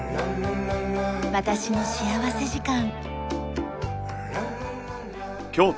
『私の幸福時間』。